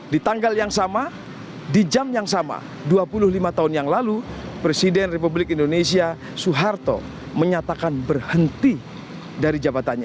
di tanggal yang sama di jam yang sama dua puluh lima tahun yang lalu presiden republik indonesia suharto menyatakan berhenti dari jabatannya